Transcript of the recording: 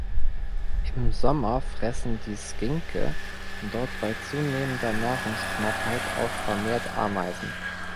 Im Sommer fressen die Skinke dort bei zunehmender Nahrungsknappheit auch vermehrt Ameisen.